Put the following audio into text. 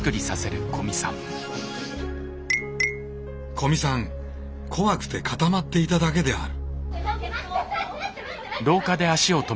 古見さん怖くて固まっていただけである。